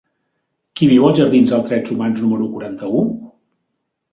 Qui viu als jardins dels Drets Humans número quaranta-u?